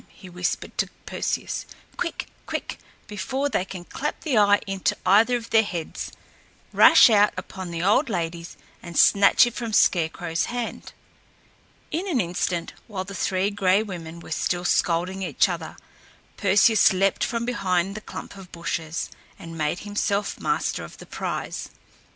he whispered to Perseus. "Quick, quick! before they can clap the eye into either of their heads. Rush out upon the old ladies and snatch it from Scarecrow's hand!" In an instant, while the Three Gray Women were still scolding each other, Perseus leaped from behind the clump of bushes and made himself master of the prize.